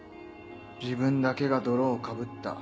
自分だけが泥をかぶった。